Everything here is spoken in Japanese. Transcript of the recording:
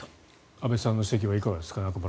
安部さんの指摘はいかがですか。